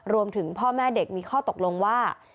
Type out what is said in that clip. รวมถึงพ่อแม่เด็กมีข้อตกลงว่า